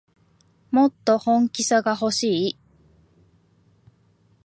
もっと本気さがほしい